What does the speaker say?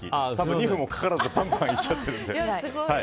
２分もかからずバンバンいっちゃってるので。